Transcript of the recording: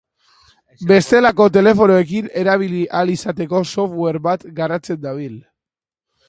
Bestelako telefonoekin erabili ahal izateko software bat garatzen dabil.